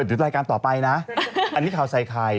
เดี๋ยวรายการต่อไปนะอันนี้ข่าวใส่ไข่